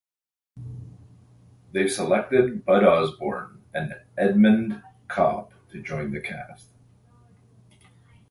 They selected Bud Osborne and Edmund Cobb to join the cast.